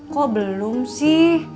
kok belum sih